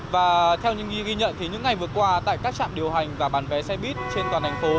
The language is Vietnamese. và theo những ghi nhận thì những ngày vừa qua tại các trạm điều hành và bán vé xe buýt trên toàn thành phố